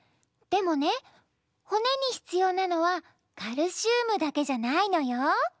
でもね骨に必要なのはカルシウムだけじゃないのよ！